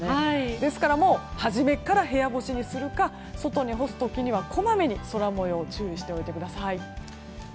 ですから初めから部屋干しにするか外に干す時にはこまめに空模様に注意しておいてください。